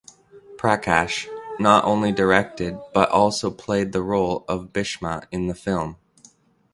Prakash not only directed but also played the role of Bhishma in the film.